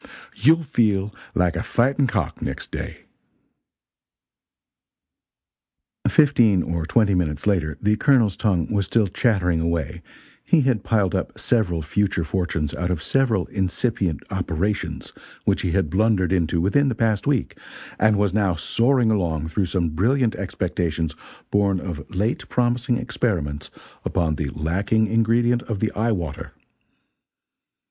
You'll feel like a fighting cock next day." Fifteen or twenty minutes later the Colonel's tongue was still chattering away he had piled up several future fortunes out of several incipient "operations" which he had blundered into within the past week, and was now soaring along through some brilliant expectations born of late promising experiments upon the lacking ingredient of the eye water.